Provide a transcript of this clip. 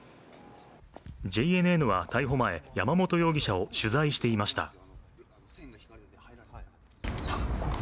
ＪＮＮは逮捕前、山本容疑者を取材していました。